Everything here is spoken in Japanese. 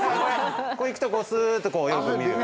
こういくとこうスーッとよく見る。